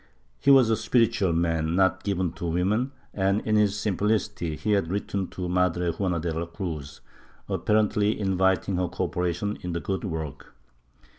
He was a spiritual man, not given to women and, in his simplicity, he had written to Madre Juana de la Cruz, apparently inviting her cooperation in the good work.